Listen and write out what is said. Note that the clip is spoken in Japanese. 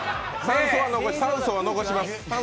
酸素は残します。